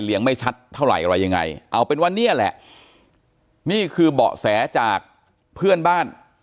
ไม่ชัดเท่าไหร่อะไรยังไงเอาเป็นว่าเนี่ยแหละนี่คือเบาะแสจากเพื่อนบ้าน